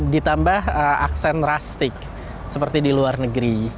ditambah aksen rustic seperti di luar negeri